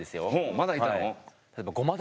まだいたの？